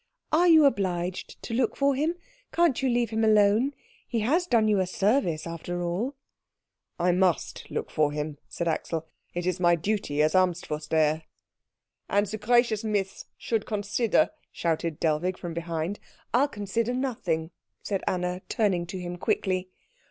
"Are you obliged to look for him? Can't you leave him alone? He has done you a service, after all." "I must look for him," said Axel; "it is my duty as Amtsvorsteher." "And the gracious Miss should consider " shouted Dellwig from behind. "I'll consider nothing," said Anna, turning to him quickly.